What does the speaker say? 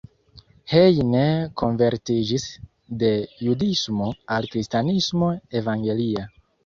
Heine konvertiĝis de judismo al kristanismo evangelia.